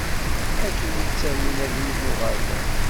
Akken i ttawin abrid n uɣerbaz.